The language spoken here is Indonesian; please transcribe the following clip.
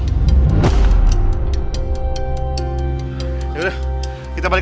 eh bhg dalam